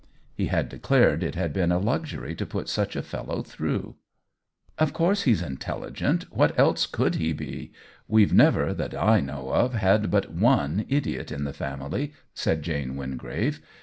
'* He had declared it had been a luxury to put such a fellow through. "Of course he's intelligent, what else could he be ? We've never, that I know of, had but one idiot in the family !" said Jane Wingrave.